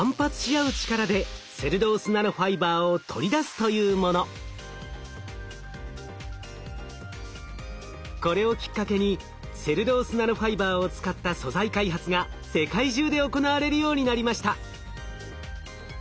その方法はこれをきっかけにセルロースナノファイバーを使った素材開発が世界中で行われるようになりました。